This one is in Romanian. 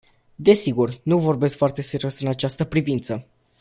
Desigur, nu vorbesc foarte serios în această privință.